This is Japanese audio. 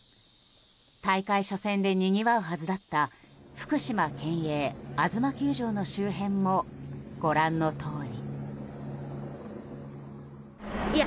大会初戦でにぎわうはずだった福島県営あづま球場の周辺もご覧のとおり。